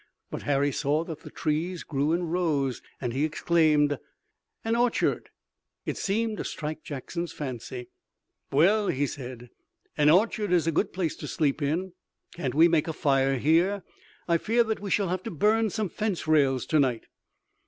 But Harry saw that the trees grew in rows and he exclaimed: "An orchard!" It seemed to strike Jackson's fancy. "Well," he said, "an orchard is a good place to sleep in. Can't we make a fire here? I fear that we shall have to burn some fence rails tonight."